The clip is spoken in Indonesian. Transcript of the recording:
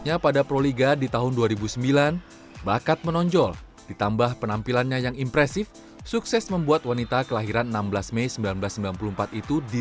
yang benar benar teamwork itu